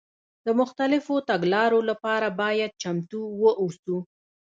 د مختلفو تګلارو لپاره باید چمتو واوسو.